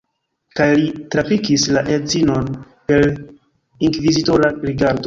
Kaj li trapikis la edzinon per inkvizitora rigardo.